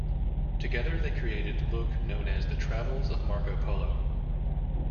Together they created the book known as "The Travels of Marco Polo".